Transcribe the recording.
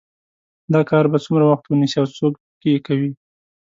دا کار به څومره وخت ونیسي او څوک یې کوي